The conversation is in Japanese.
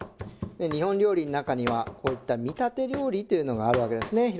日本料理の中にはこういった見立て料理というのがあるわけですね。